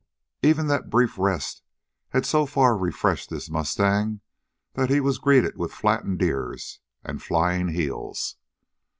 Even that brief rest had so far refreshed his mustang that he was greeted with flattened ears and flying heels.